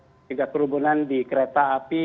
mencegah kerumunan di kereta api